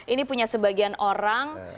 ini punya sebagian orang